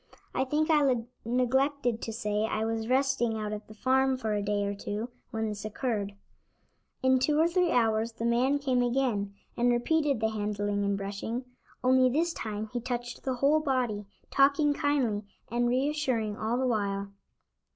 I think I neglected to say I was resting out at the farm for a day or two when this occurred. In two or three hours the man came again, and repeated the handling and brushing, only this time he touched the whole body, talking kindly and reassuring all the while.